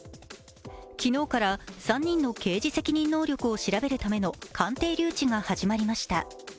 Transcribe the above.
昨日から３人の刑事責任能力を調べるための鑑定留置が始まりました。